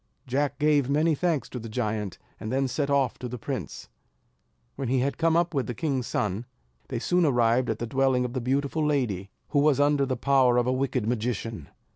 Jack gave many thanks to the giant, and then set off to the prince. When he had come up with the king's son, they soon arrived at the dwelling of the beautiful lady, who was under the power of a wicked magician.